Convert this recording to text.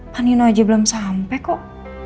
panino aja belum sampai kok